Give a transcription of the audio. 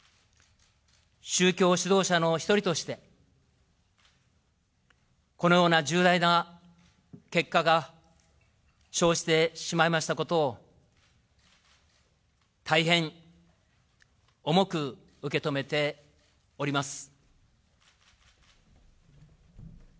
宗教指導者の一人として、このような重大な結果が生じてしまいましたことを、大変重く受け止めております。